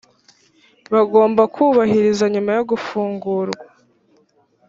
bagomba kubahiriza nyuma yo gufungurwa